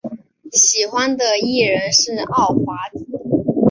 喜欢的艺人是奥华子。